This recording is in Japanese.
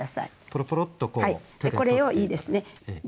ポロポロっとこう手で取って。